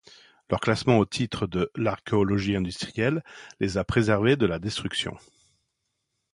Leur classement au titre de l'archéologie industrielle les a préservés de la destruction.